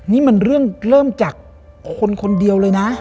นี่มันเรื่องเริ่มจากคนคนเดียวเลยนะ